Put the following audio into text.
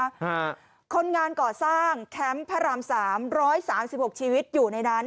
ฮะคนงานก่อสร้างแคมป์พระรามสามร้อยสามสิบหกชีวิตอยู่ในนั้น